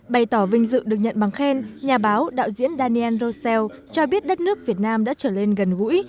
bày tỏ vinh dự được nhận bằng khen nhà báo đạo diễn daniel rossell cho biết đất nước việt nam đã trở lên gần gũi